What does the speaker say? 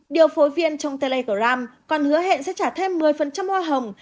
điều phối viên trong telegram còn hứa hẹn sẽ trả thêm một mươi hoa hồng